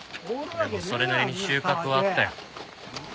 でもそれなりに収穫はあったよ。